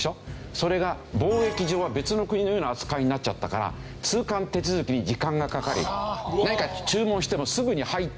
それが貿易上は別の国のような扱いになっちゃったから通関手続きに時間がかかり何か注文してもすぐに入ってこない。